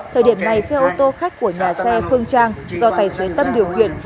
thời điểm này xe ô tô khách của nhà xe phương trang do tài xế tâm điều khiển